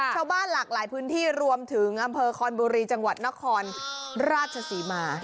หลากหลายพื้นที่รวมถึงอำเภอคอนบุรีจังหวัดนครราชศรีมา